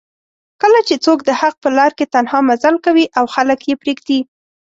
کله چې څوک دحق په لار کې تنها مزل کوي او خلک یې پریږدي